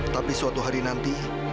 tapi suatu hari nanti